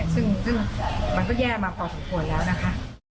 ซึ่งมันก็แย่มาพอสมควรแล้วนะคะ